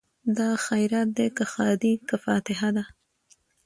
دا خیرات دی که ښادي که فاتحه ده